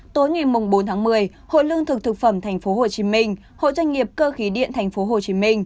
tối ngày bốn tháng một mươi hội lương thực thực phẩm tp hcm hội doanh nghiệp cơ khí điện tp hcm